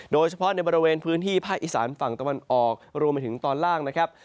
โดยเฉพาะในบริเวณพื้นที่ภาคอีสานฝั่งตะวันออกรวมไปถึงตอนล่างนะครับ